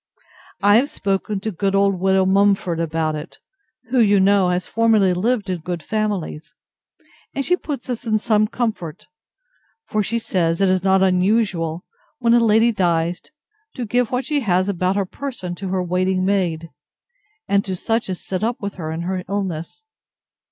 I have spoken to good old widow Mumford about it, who, you know, has formerly lived in good families; and she puts us in some comfort; for she says it is not unusual, when a lady dies, to give what she has about her person to her waiting maid, and to such as sit up with her in her illness.